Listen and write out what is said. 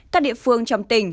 các địa phương trong tỉnh